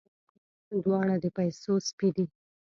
دواړه د پيسو سپي دي.